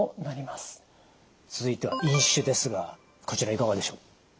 続いては飲酒ですがこちらいかがでしょう？